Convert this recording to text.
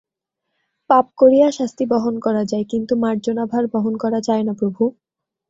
পাপ করিয়া শাস্তি বহন করা যায়, কিন্তু মার্জনাভার বহন করা যায় না প্রভু!